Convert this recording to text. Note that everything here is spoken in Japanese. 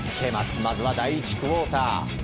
まずは第１クオーター。